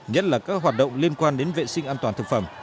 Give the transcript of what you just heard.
nhất là các hoạt động liên quan đến vệ sinh an toàn thực phẩm